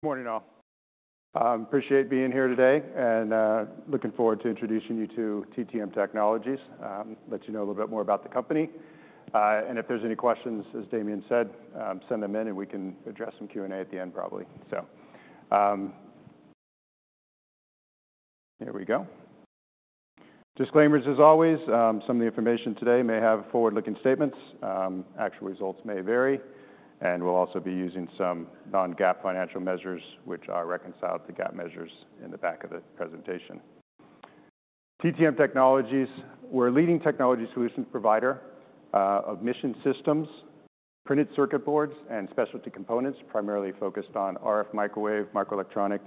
Good morning, all. I appreciate being here today and, looking forward to introducing you to TTM Technologies. Let me let you know a little bit more about the company. And if there's any questions, as Damien said, send them in and we can address them Q&A at the end, probably. So, here we go. Disclaimers, as always, some of the information today may have forward-looking statements. Actual results may vary, and we'll also be using some non-GAAP financial measures, which I'll reconcile to GAAP measures in the back of the presentation. TTM Technologies, we're a leading technology solutions provider of mission systems, printed circuit boards, and specialty components, primarily focused on RF microwave, microelectronic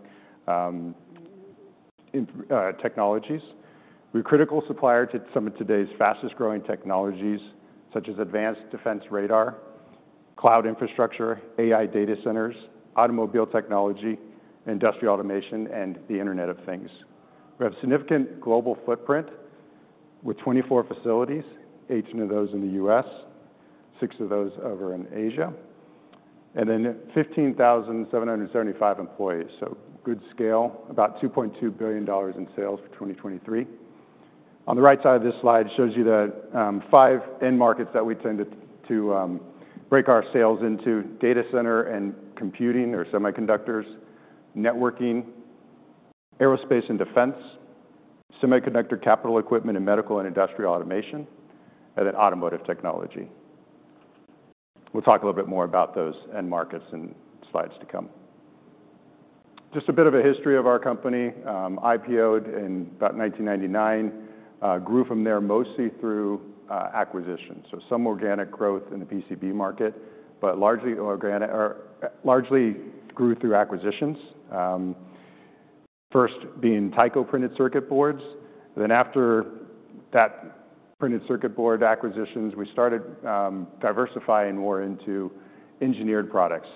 technologies. We're a critical supplier to some of today's fastest-growing technologies, such as advanced defense radar, cloud infrastructure, AI data centers, automobile technology, industrial automation, and the Internet of Things. We have a significant global footprint with 24 facilities, 18 of those in the U.S., Six of those over in Asia, and then 15,775 employees. Good scale, about $2.2 billion in sales for 2023. On the right side of this slide, it shows you the five end markets that we tend to break our sales into: data center and computing, or semiconductors, networking, aerospace and defense, semiconductor capital equipment and medical and industrial automation, and then automotive technology. We'll talk a little bit more about those end markets in slides to come. Just a bit of a history of our company. IPO'd in about 1999, grew from there mostly through acquisitions. Some organic growth in the PCB market, but largely organic or largely grew through acquisitions, first being Tyco printed circuit boards. Then, after that printed circuit board acquisitions, we started diversifying more into engineered products,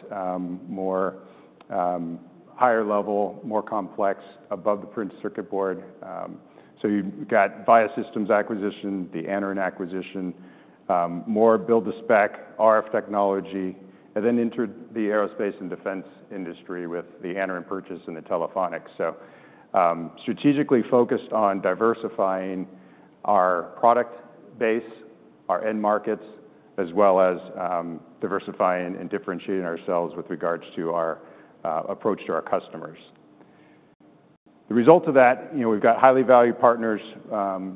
more higher level, more complex, above the printed circuit board. So you got Viasystems acquisition, the Anaren acquisition, more build-to-spec, RF technology, and then entered the aerospace and defense industry with the Anaren purchase and the Telephonics. So, strategically focused on diversifying our product base, our end markets, as well as diversifying and differentiating ourselves with regards to our approach to our customers. The result of that, you know, we've got highly valued partners,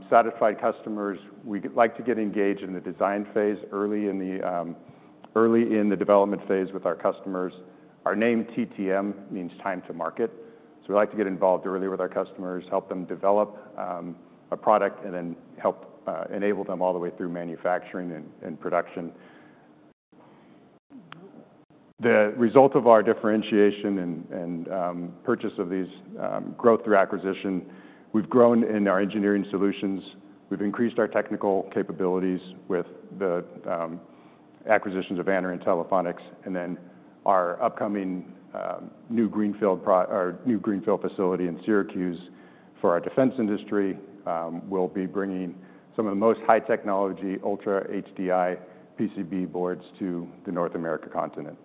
satisfied customers. We like to get engaged in the design phase early in the development phase with our customers. Our name, TTM, means Time to Market. So we like to get involved early with our customers, help them develop a product, and then help enable them all the way through manufacturing and production. The result of our differentiation and purchase of these, growth through acquisition, we've grown in our engineering solutions. We've increased our technical capabilities with the acquisitions of Anaren and Telephonics. Then our upcoming new greenfield project or new greenfield facility in Syracuse for our defense industry will be bringing some of the most high-technology Ultra HDI PCB boards to the North America continent.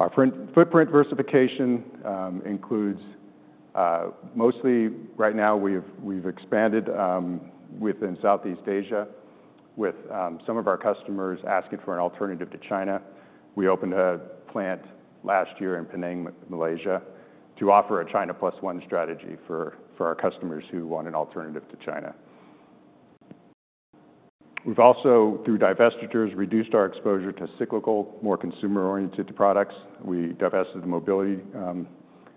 Our footprint diversification includes, mostly right now we've expanded within Southeast Asia with some of our customers asking for an alternative to China. We opened a plant last year in Penang, Malaysia, to offer a China Plus One strategy for our customers who want an alternative to China. We've also through divestitures reduced our exposure to cyclical, more consumer-oriented products. We divested the mobility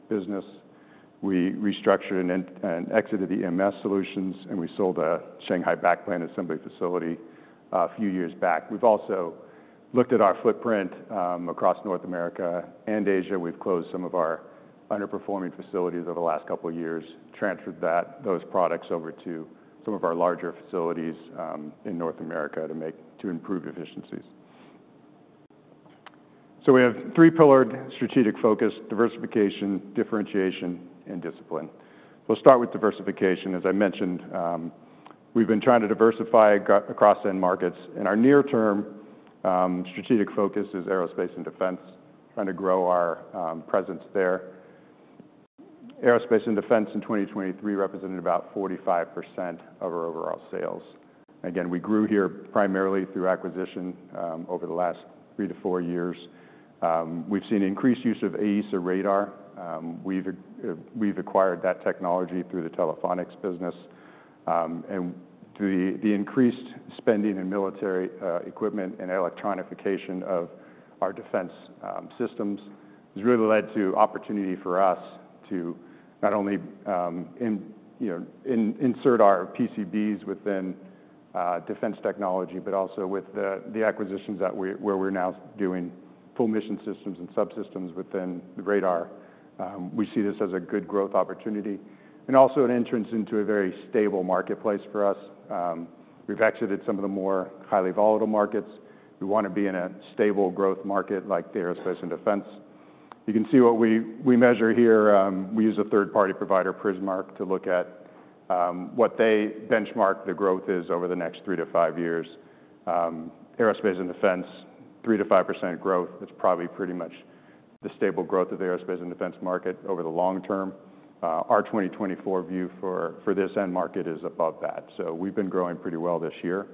business. We restructured and exited the EMS solutions, and we sold a Shanghai backplane assembly facility a few years back. We've also looked at our footprint across North America and Asia. We've closed some of our underperforming facilities over the last couple of years, transferred those products over to some of our larger facilities in North America to improve efficiencies. So we have three pillared strategic focus: diversification, differentiation, and discipline. We'll start with diversification. As I mentioned, we've been trying to diversify across end markets. And our near-term strategic focus is aerospace and defense, trying to grow our presence there. Aerospace and defense in 2023 represented about 45% of our overall sales. Again, we grew here primarily through acquisition over the last three to four years. We've seen increased use of AESA radar. We've acquired that technology through the Telephonics business. And the increased spending in military equipment and electronification of our defense systems has really led to opportunity for us to not only, you know, insert our PCBs within defense technology, but also with the acquisitions that we're where we're now doing full mission systems and subsystems within the radar. We see this as a good growth opportunity and also an entrance into a very stable marketplace for us. We've exited some of the more highly volatile markets. We wanna be in a stable growth market like the aerospace and defense. You can see what we measure here. We use a third-party provider, Prismark, to look at what they benchmark the growth is over the next three to five years. Aerospace and Defense, 3%-5% growth. That's probably pretty much the stable growth of the aerospace and defense market over the long term. Our 2024 view for this end market is above that. So we've been growing pretty well this year.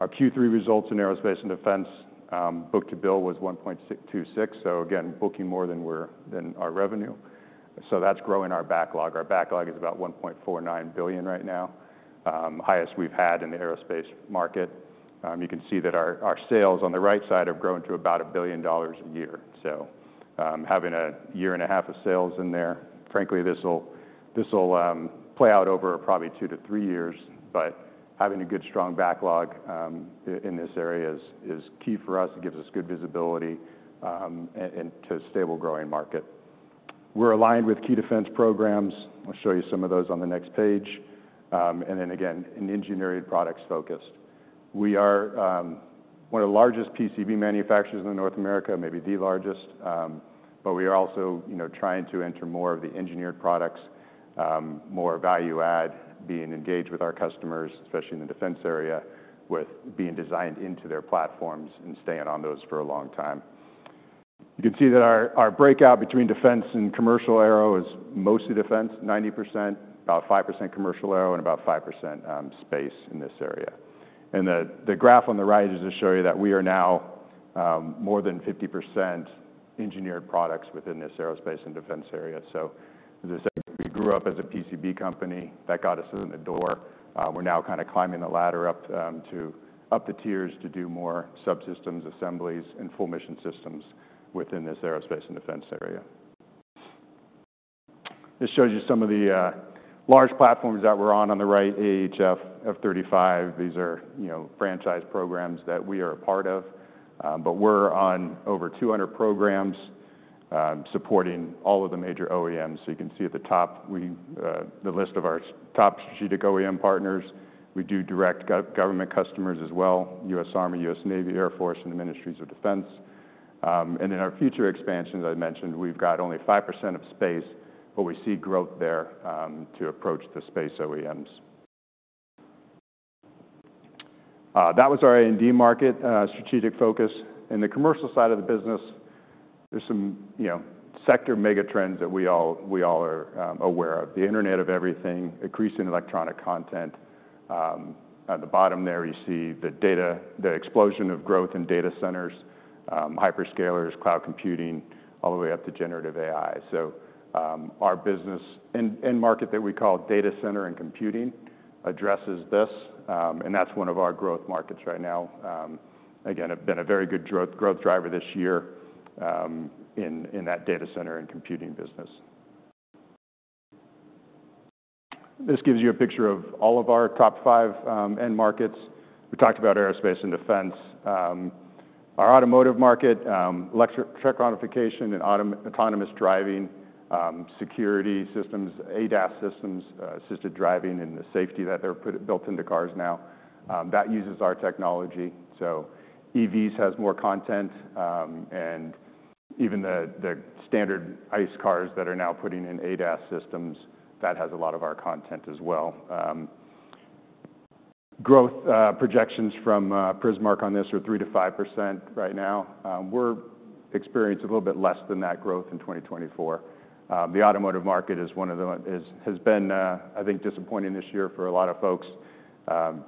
Our Q3 results in aerospace and defense, book-to-bill was 1.626. So again, booking more than we're than our revenue. So that's growing our backlog. Our backlog is about $1.49 billion right now, highest we've had in the aerospace market. You can see that our sales on the right side have grown to about $1 billion a year. So, having a year and a half of sales in there, frankly, this'll play out over probably two-to-three years. But having a good, strong backlog in this area is key for us. It gives us good visibility, and to a stable growing market. We're aligned with key defense programs. I'll show you some of those on the next page. And then again, in engineered products focused, we are one of the largest PCB manufacturers in North America, maybe the largest. But we are also, you know, trying to enter more of the engineered products, more value-add, being engaged with our customers, especially in the defense area, with being designed into their platforms and staying on those for a long time. You can see that our breakout between defense and commercial aero is mostly defense, 90%, about 5% commercial aero, and about 5% space in this area. And the graph on the right is to show you that we are now more than 50% engineered products within this aerospace and defense area. So as I said, we grew up as a PCB company that got us in the door. We're now kinda climbing the ladder up, to up the tiers to do more subsystems, assemblies, and full mission systems within this aerospace and defense area. This shows you some of the large platforms that we're on, on the right, AEHF, F-35. These are, you know, franchise programs that we are a part of. But we're on over 200 programs, supporting all of the major OEMs. So you can see at the top, we, the list of our top strategic OEM partners. We do direct go-government customers as well: U.S. Army, U.S. Navy, U.S. Air Force, and the Ministries of Defense. And in our future expansions, I mentioned, we've got only 5% of space, but we see growth there, to approach the space OEMs. That was our A and D market, strategic focus. In the commercial side of the business, there's some, you know, sector mega trends that we all are aware of: the Internet of Everything, increasing electronic content. At the bottom there, you see the explosion of growth in data centers, hyperscalers, cloud computing, all the way up to generative AI. So, our business and market that we call data center and computing addresses this. That's one of our growth markets right now. Again, it's been a very good growth driver this year in that data center and computing business. This gives you a picture of all of our top five end markets. We talked about aerospace and defense. Our automotive market, electric truck modification and autonomous driving, security systems, ADAS systems, assisted driving, and the safety that's built into cars now, that uses our technology. EVs has more content, and even the standard ICE cars that are now putting in ADAS systems, that has a lot of our content as well. Growth projections from Prismark on this are 3%-5% right now. We're experiencing a little bit less than that growth in 2024. The automotive market is one of the, has been, I think, disappointing this year for a lot of folks.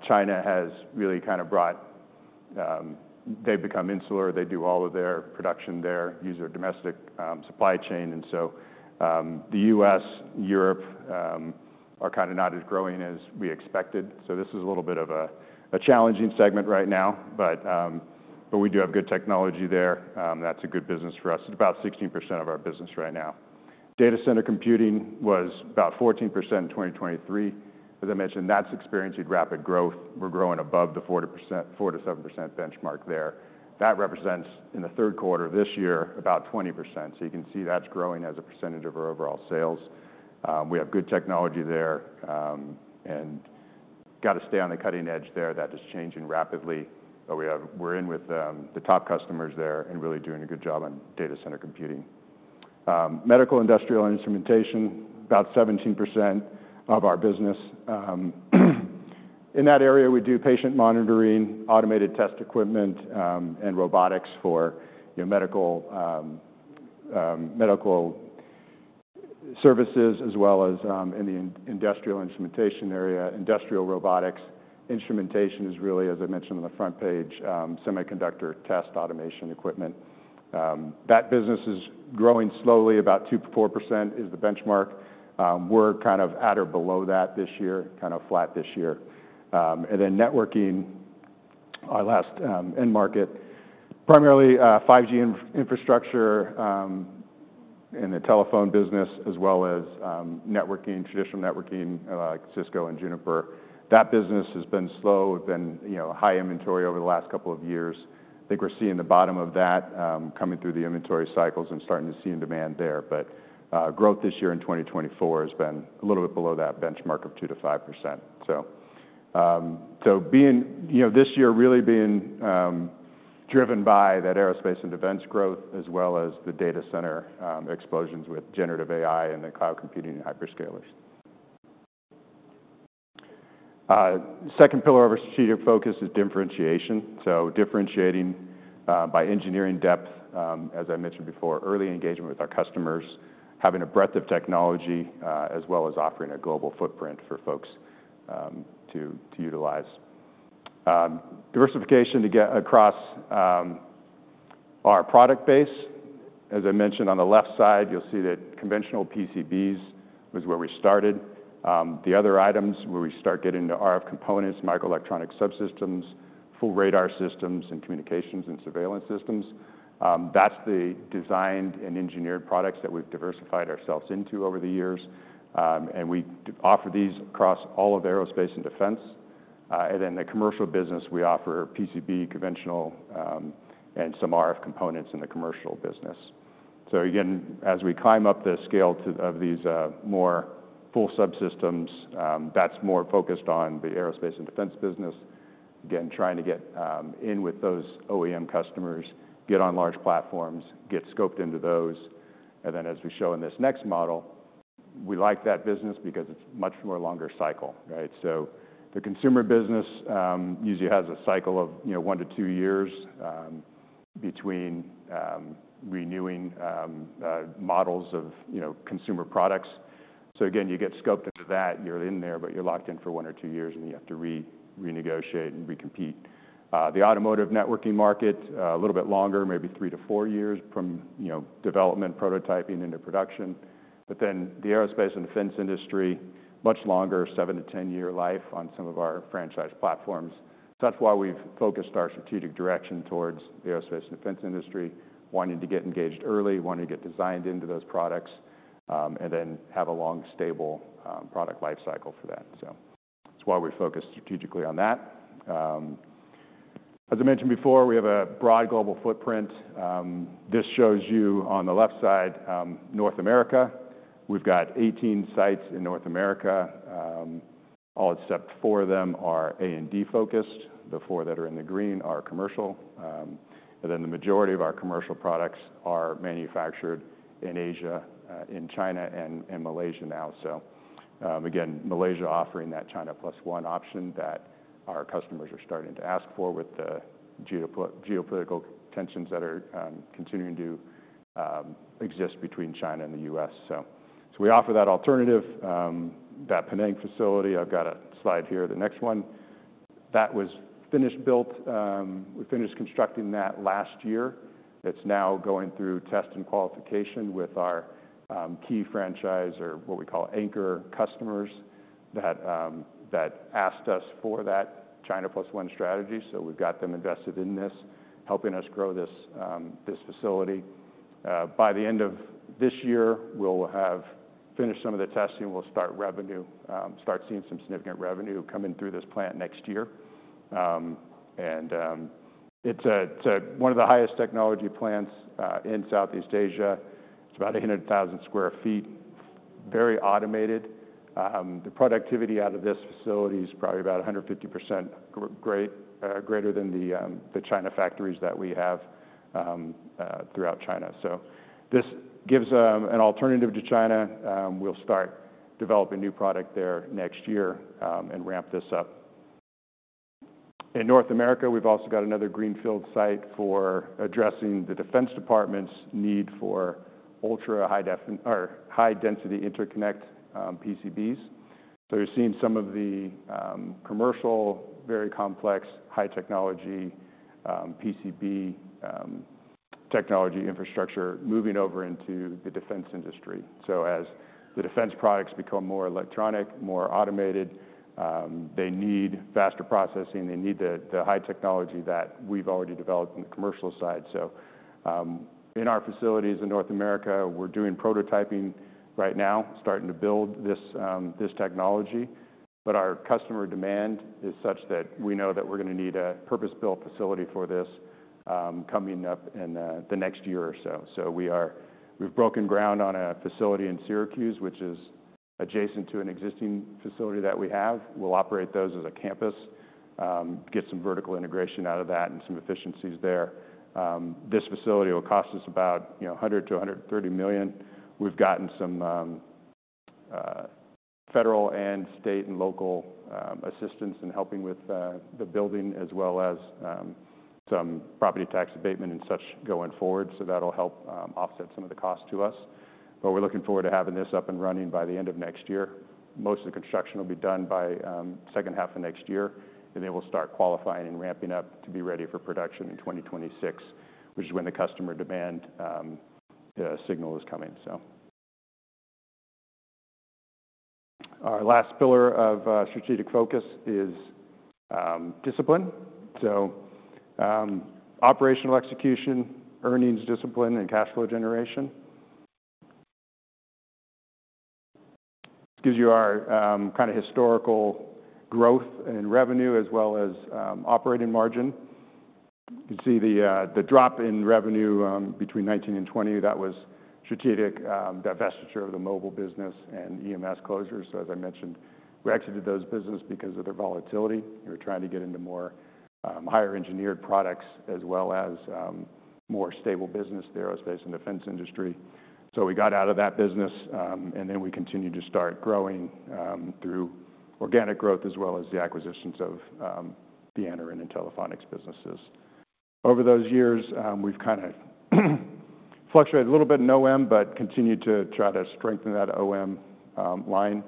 China has really kinda brought, they've become insular. They do all of their production there, use their domestic, supply chain. The U.S., Europe, are kinda not as growing as we expected. This is a little bit of a challenging segment right now, but we do have good technology there. That's a good business for us. It's about 16% of our business right now. Data center computing was about 14% in 2023. As I mentioned, that's experiencing rapid growth. We're growing above the 40%, 4%-7% benchmark there. That represents, in the third quarter of this year, about 20%. So you can see that's growing as a percentage of our overall sales. We have good technology there, and gotta stay on the cutting edge there. That is changing rapidly. But we have, we're in with, the top customers there and really doing a good job on data center computing. Medical industrial instrumentation, about 17% of our business. In that area, we do patient monitoring, automated test equipment, and robotics for, you know, medical, medical services, as well as, in the industrial instrumentation area, industrial robotics. Instrumentation is really, as I mentioned on the front page, semiconductor test automation equipment. That business is growing slowly, about 2%-4% is the benchmark. We're kind of at or below that this year, kind of flat this year. And then networking, our last end market, primarily 5G infrastructure in the telephone business, as well as networking, traditional networking, like Cisco and Juniper. That business has been slow. We've been, you know, high inventory over the last couple of years. I think we're seeing the bottom of that, coming through the inventory cycles and starting to see demand there. But growth this year in 2024 has been a little bit below that benchmark of 2%-5%. So being, you know, this year really being driven by that aerospace and defense growth, as well as the data center explosions with generative AI and the cloud computing and hyperscalers. Second pillar of our strategic focus is differentiation. So, differentiating by engineering depth, as I mentioned before, early engagement with our customers, having a breadth of technology, as well as offering a global footprint for folks to utilize. Diversification to get across our product base. As I mentioned, on the left side, you'll see that conventional PCBs was where we started. The other items where we start getting into RF components, microelectronic subsystems, full radar systems, and communications and surveillance systems, that's the designed and engineered products that we've diversified ourselves into over the years, and we offer these across all of aerospace and defense, and then the commercial business, we offer PCB, conventional, and some RF components in the commercial business. So again, as we climb up the scale to one of these more full subsystems, that's more focused on the aerospace and defense business, again trying to get in with those OEM customers, get on large platforms, get scoped into those. And then, as we show in this next model, we like that business because it's much more longer cycle, right? So the consumer business usually has a cycle of, you know, one to two years between renewing models of, you know, consumer products. So again, you get scoped into that, you're in there, but you're locked in for one or two years, and then you have to re-renegotiate and recompete. The automotive networking market a little bit longer, maybe three to four years from, you know, development, prototyping into production. But then the aerospace and defense industry much longer, seven-year to 10-year life on some of our franchise platforms. So that's why we've focused our strategic direction towards the aerospace and defense industry, wanting to get engaged early, wanting to get designed into those products, and then have a long, stable, product lifecycle for that. So that's why we focus strategically on that. As I mentioned before, we have a broad global footprint. This shows you on the left side, North America. We've got 18 sites in North America. All except four of them are A and D focused. The four that are in the green are commercial. And then the majority of our commercial products are manufactured in Asia, in China and Malaysia now. So, again, Malaysia offering that China Plus One option that our customers are starting to ask for with the geopolitical tensions that are continuing to exist between China and the U.S. So we offer that alternative, that Penang facility. I've got a slide here. The next one that was finished built, we finished constructing that last year. It's now going through test and qualification with our key franchise or what we call anchor customers that asked us for that China Plus One strategy. So we've got them invested in this, helping us grow this facility. By the end of this year, we'll have finished some of the testing. We'll start seeing some significant revenue coming through this plant next year. It's a one of the highest technology plants in Southeast Asia. It's about 800,000 sq ft, very automated. The productivity out of this facility is probably about 150% greater than the China factories that we have throughout China. So this gives an alternative to China. We'll start developing new product there next year and ramp this up. In North America, we've also got another greenfield site for addressing the defense department's need for ultra high-density interconnect PCBs. So you're seeing some of the commercial, very complex, high-technology PCB technology infrastructure moving over into the defense industry. So as the defense products become more electronic, more automated, they need faster processing. They need the high technology that we've already developed in the commercial side. So, in our facilities in North America, we're doing prototyping right now, starting to build this technology. But our customer demand is such that we know that we're gonna need a purpose-built facility for this, coming up in the next year or so. So we've broken ground on a facility in Syracuse, which is adjacent to an existing facility that we have. We'll operate those as a campus, get some vertical integration out of that and some efficiencies there. This facility will cost us about, you know, $100 million-$130 million. We've gotten some federal and state and local assistance in helping with the building, as well as some property tax abatement and such going forward. So that'll help offset some of the cost to us. But we're looking forward to having this up and running by the end of next year. Most of the construction will be done by second half of next year, and then we'll start qualifying and ramping up to be ready for production in 2026, which is when the customer demand signal is coming. So our last pillar of strategic focus is discipline. So operational execution, earnings discipline, and cash flow generation. It gives you our kind of historical growth and revenue, as well as operating margin. You can see the drop in revenue between 2019 and 2020. That was strategic, divestiture of the mobile business and EMS closures. So, as I mentioned, we exited those businesses because of their volatility. We were trying to get into more higher-engineered products, as well as more stable business, the aerospace and defense industry. So we got out of that business, and then we continued to start growing through organic growth, as well as the acquisitions of the Anaren and Telephonics businesses. Over those years, we've kind of fluctuated a little bit in OEM, but continued to try to strengthen that OEM line.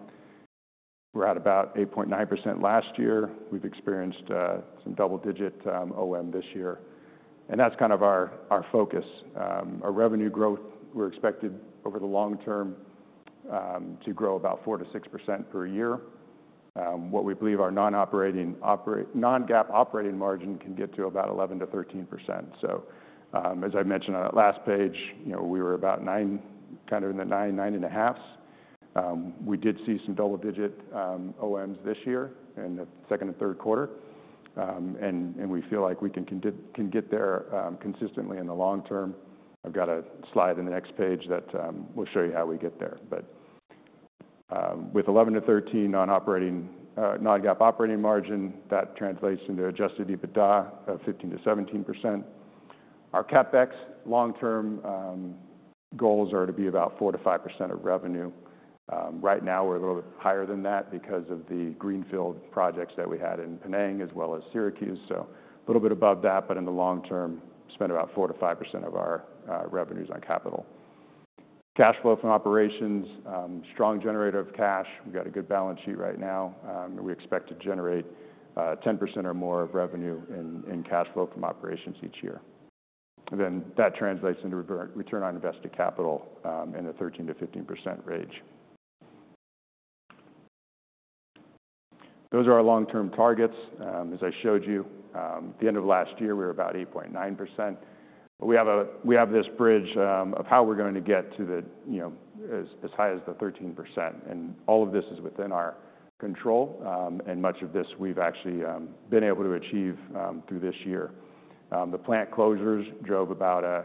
We're at about 8.9% last year. We've experienced some double-digit OEM this year. And that's kind of our focus. Our revenue growth, we're expected over the long term to grow about 4%-6% per year. What we believe our non-GAAP operating margin can get to about 11%-13%. So, as I mentioned on that last page, you know, we were about nine, kind of in the nine, nine and a half. We did see some double-digit OEMs this year in the second and third quarter. And we feel like we can get there consistently in the long term. I've got a slide in the next page that we'll show you how we get there. But with 11%-13% non-GAAP operating margin, that translates into adjusted EBITDA of 15%-17%. Our CapEx long-term goals are to be about 4%-5% of revenue. Right now we're a little bit higher than that because of the greenfield projects that we had in Penang, as well as Syracuse. So a little bit above that, but in the long term, spend about 4%-5% of our revenues on capital. Cash flow from operations, strong generator of cash. We've got a good balance sheet right now. We expect to generate 10% or more of revenue in cash flow from operations each year. And then that translates into return on invested capital in the 13%-15% range. Those are our long-term targets. As I showed you, at the end of last year, we were about 8.9%. But we have this bridge of how we're going to get to the you know as high as the 13%. And all of this is within our control. And much of this we've actually been able to achieve through this year. The plant closures drove about a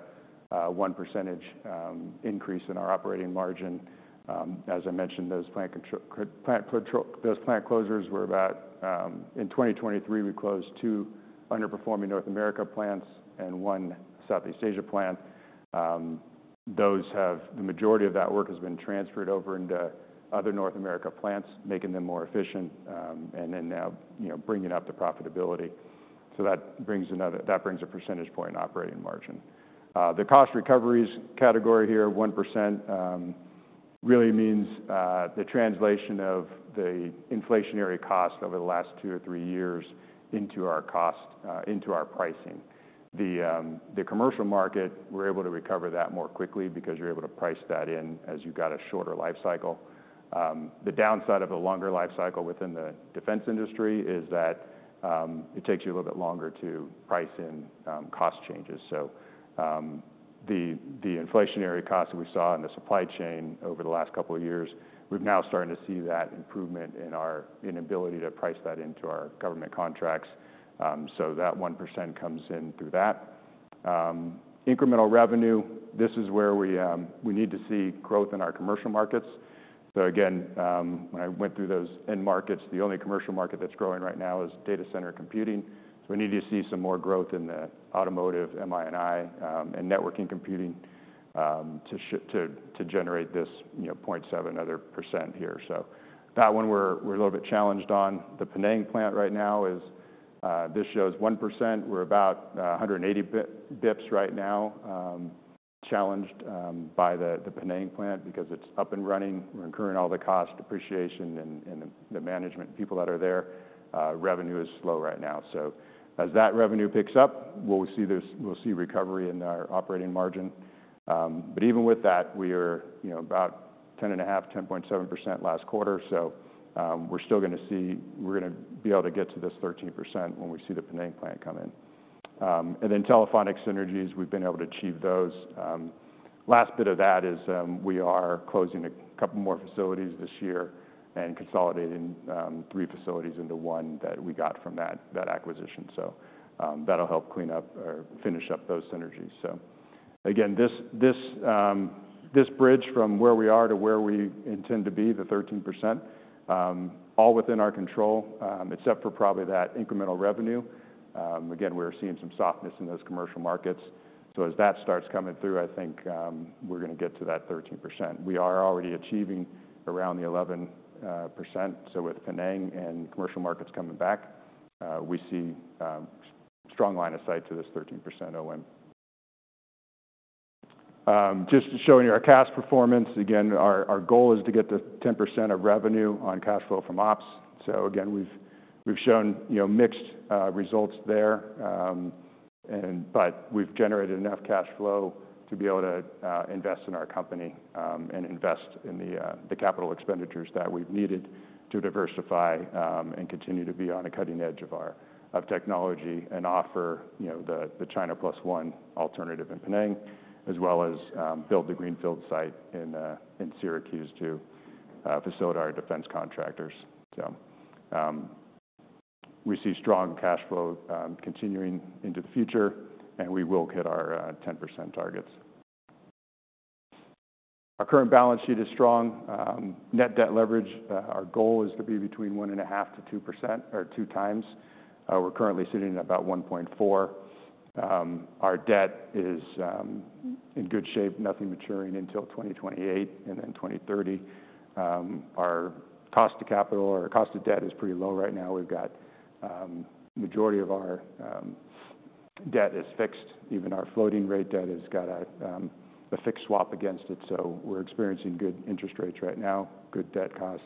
1% increase in our operating margin. As I mentioned, those plant closures were about, in 2023, we closed two underperforming North America plants and one Southeast Asia plant. Those have the majority of that work has been transferred over into other North America plants, making them more efficient. And then now, you know, bringing up the profitability. So that brings a percentage point in operating margin. The cost recoveries category here, 1%, really means the translation of the inflationary cost over the last two or three years into our cost, into our pricing. The commercial market, we're able to recover that more quickly because you're able to price that in as you've got a shorter life cycle. The downside of a longer life cycle within the defense industry is that it takes you a little bit longer to price in cost changes. So, the inflationary costs that we saw in the supply chain over the last couple of years, we're now starting to see that improvement in our inability to price that into our government contracts, so that 1% comes in through that. Incremental revenue, this is where we need to see growth in our commercial markets. So again, when I went through those end markets, the only commercial market that's growing right now is data center computing. So we need to see some more growth in the automotive, MI&I, and networking computing, to generate this, you know, 0.7% other %. So that one we're a little bit challenged on. The Penang plant right now is. This shows 1%. We're about 180 basis points right now, challenged by the Penang plant because it's up and running. We're incurring all the cost appreciation and the management people that are there. Revenue is slow right now. So as that revenue picks up, we'll see recovery in our operating margin, but even with that, we are, you know, about 10.5%-10.7% last quarter. So, we're still gonna be able to get to this 13% when we see the Penang plant come in, and then Telephonics synergies, we've been able to achieve those. The last bit of that is, we are closing a couple more facilities this year and consolidating three facilities into one that we got from that acquisition. So, that'll help clean up or finish up those synergies. Again, this bridge from where we are to where we intend to be, the 13%, all within our control, except for probably that incremental revenue. Again, we're seeing some softness in those commercial markets. So as that starts coming through, I think, we're gonna get to that 13%. We are already achieving around the 11%. So with Penang and commercial markets coming back, we see strong line of sight to this 13% OEM. Just showing you our cash performance. Again, our goal is to get the 10% of revenue on cash flow from ops. So again, we've shown, you know, mixed results there. But we've generated enough cash flow to be able to invest in our company and invest in the capital expenditures that we've needed to diversify and continue to be on a cutting edge of our technology and offer, you know, the China Plus One alternative in Penang, as well as build the greenfield site in Syracuse to facilitate our defense contractors. So, we see strong cash flow continuing into the future, and we will hit our 10% targets. Our current balance sheet is strong. Net debt leverage, our goal is to be between 1.5%-2% or 2x. We're currently sitting at about 1.4. Our debt is in good shape, nothing maturing until 2028 and then 2030. Our cost of capital or cost of debt is pretty low right now. We've got the majority of our debt is fixed. Even our floating rate debt has got a fixed swap against it. So we're experiencing good interest rates right now, good debt cost.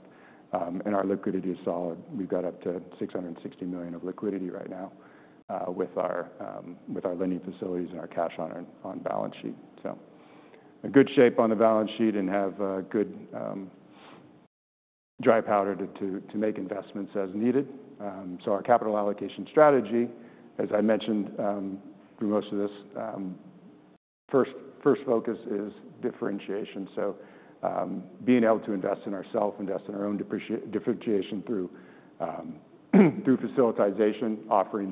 And our liquidity is solid. We've got up to $660 million of liquidity right now, with our lending facilities and our cash on our balance sheet. So in good shape on the balance sheet and have good dry powder to make investments as needed. Our capital allocation strategy, as I mentioned, through most of this, first focus is differentiation. Being able to invest in ourself, invest in our own depreciation, differentiation through facilitization, offering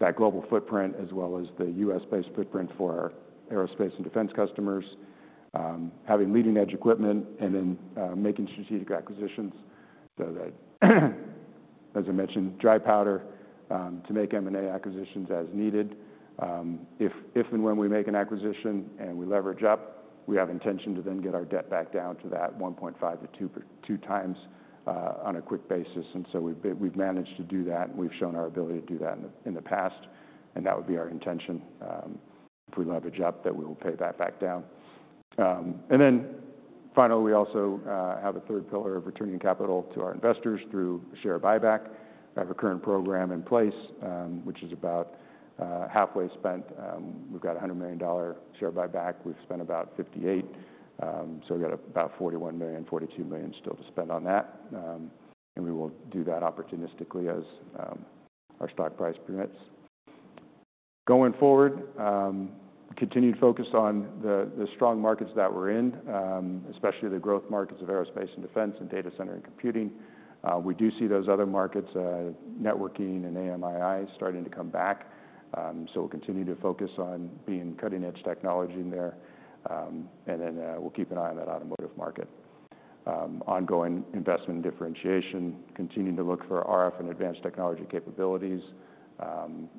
that global footprint, as well as the U.S.-based footprint for our aerospace and defense customers, having leading-edge equipment and then making strategic acquisitions. That, as I mentioned, dry powder to make M&A acquisitions as needed. If and when we make an acquisition and we leverage up, we have intention to then get our debt back down to that 1.5-2x on a quick basis. We've managed to do that, and we've shown our ability to do that in the past. And that would be our intention, if we leverage up, that we will pay that back down. And then finally, we also have a third pillar of returning capital to our investors through share buyback. We have a current program in place, which is about halfway spent. We've got a $100 million share buyback. We've spent about $58 million. So we've got about $41 million-$42 million still to spend on that. And we will do that opportunistically as our stock price permits. Going forward, continued focus on the strong markets that we're in, especially the growth markets of aerospace and defense and data center and computing. We do see those other markets, networking and MI&I, starting to come back. So we'll continue to focus on being cutting-edge technology in there. And then, we'll keep an eye on that automotive market. Ongoing investment and differentiation, continuing to look for RF and advanced technology capabilities,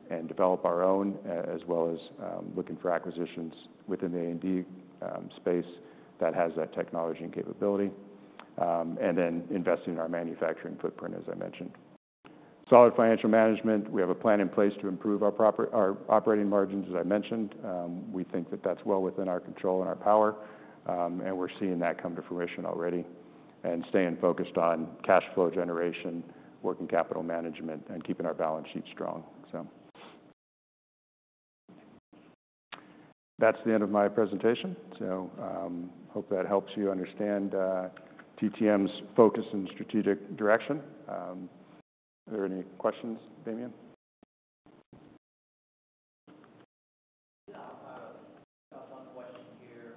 and develop our own, as well as, looking for acquisitions within the A&D space that has that technology and capability. Then investing in our manufacturing footprint, as I mentioned. Solid financial management. We have a plan in place to improve our profitability, our operating margins, as I mentioned. We think that that's well within our control and our power. We're seeing that come to fruition already and staying focused on cash flow generation, working capital management, and keeping our balance sheet strong. So that's the end of my presentation. So, hope that helps you understand TTM's focus and strategic direction. Are there any questions, Damien? Yeah, I've got some questions here.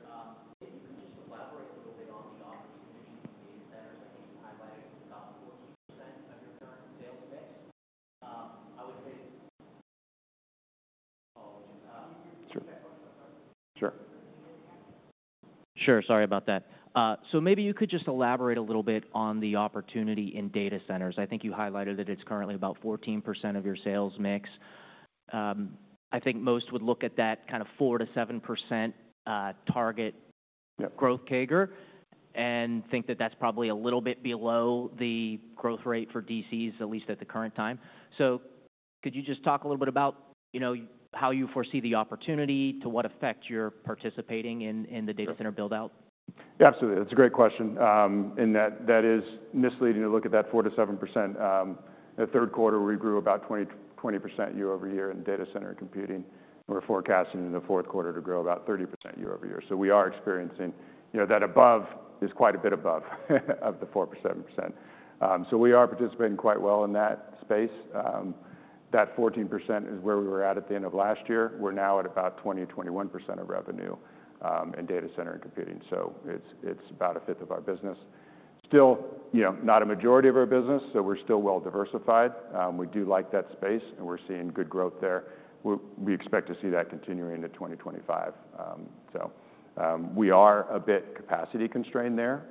If you could just elaborate a little bit on the opportunity data centers that you highlighted about 14% of your current sales mix. I would say, sure. Sorry about that. So maybe you could just elaborate a little bit on the opportunity in data centers. I think you highlighted that it's currently about 14% of your sales mix. I think most would look at that kind of 4%-7% target growth CAGR and think that that's probably a little bit below the growth rate for DCs, at least at the current time. So could you just talk a little bit about, you know, how you foresee the opportunity to what effect you're participating in, in the data center buildout? Yeah, absolutely. That's a great question. And that is misleading to look at that 4%-7%. The third quarter, we grew about 20% year over year in data center and computing. We're forecasting in the fourth quarter to grow about 30% year over year. So we are experiencing, you know, that above is quite a bit above the 4%, 7%. So we are participating quite well in that space. That 14% is where we were at the end of last year. We're now at about 20%-21% of revenue in data center and computing. So it's about a fifth of our business. Still, you know, not a majority of our business, so we're still well diversified. We do like that space, and we're seeing good growth there. We expect to see that continuing into 2025. So we are a bit capacity constrained there.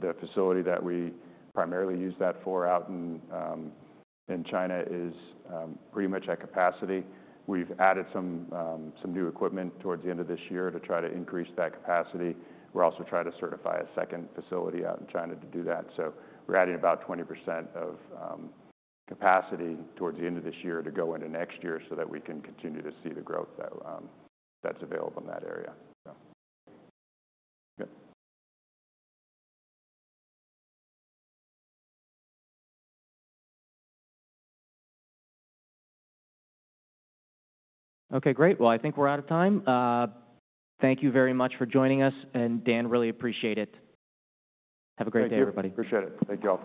The facility that we primarily use that for out in China is pretty much at capacity. We've added some new equipment towards the end of this year to try to increase that capacity. We're also trying to certify a second facility out in China to do that. So we're adding about 20% of capacity towards the end of this year to go into next year so that we can continue to see the growth that's available in that area. So, okay. Okay. Great. Well, I think we're out of time. Thank you very much for joining us, and Dan, really appreciate it. Have a great day, everybody. Appreciate it. Thank you.